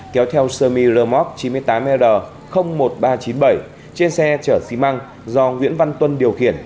kéo theo sermi lermop chín mươi tám ld một nghìn ba trăm chín mươi bảy trên xe chở xí măng do nguyễn văn tuân điều khiển